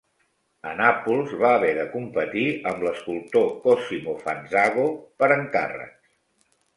A Nàpols, va haver de competir amb l'escultor Cosimo Fanzago per encàrrecs.